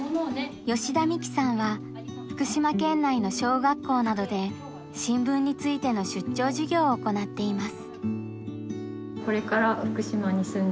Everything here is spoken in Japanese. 吉田美紀さんは福島県内の小学校などで新聞についての出張授業を行っています。